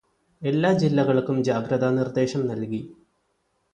എല്ലാ ജില്ലകള്ക്കും ജാഗ്രതാ നിര്ദേശം നല്കി.